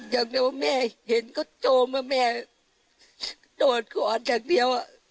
อย่างนั้นแม่เห็นก็โจมแม่โดดกวนแหละเดียว